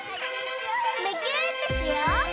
むぎゅーってしよう！